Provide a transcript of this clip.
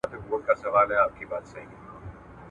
زۀ خپله خان یمه خان څۀ ته وایي